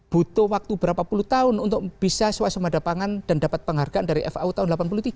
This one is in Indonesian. butuh waktu berapa puluh tahun untuk bisa suasembada pangan dan dapat penghargaan dari fau tahun seribu sembilan ratus delapan puluh tiga